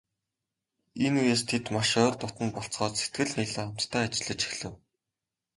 Энэ үеэс тэд маш ойр дотно болцгоож, сэтгэл нийлэн хамтдаа ажиллаж эхлэв.